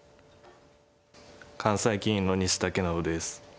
関西棋院の西健伸です。